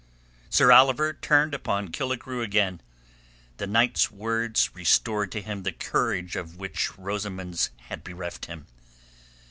Sir Oliver turned upon Killigrew again. The knight's words restored to him the courage of which Rosamund's had bereft him.